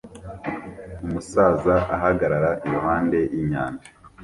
Umusaza ahagarara iruhande yinyanja